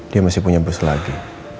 dia masih punya bus lagi